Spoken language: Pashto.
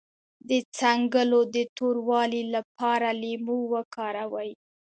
د څنګلو د توروالي لپاره لیمو وکاروئ